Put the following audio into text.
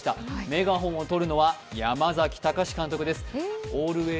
メガホンをとるのは山崎貴監督です。